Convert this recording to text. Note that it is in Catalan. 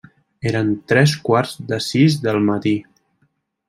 Eren tres quarts de sis del matí.